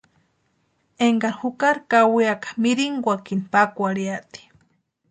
Énkari jukari kawiaka mirinkwakini pakwarhiati.